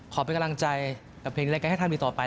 ขอเป็นกำลังใจกับเพลงรายการให้ทำดีต่อไป